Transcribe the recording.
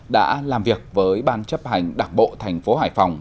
đã làm việc với ban chấp hành đảng bộ thành phố hải phòng